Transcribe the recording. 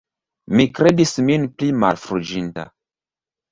Mi kredis min pli malfruiĝinta.